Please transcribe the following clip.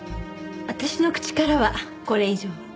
私の口からはこれ以上は。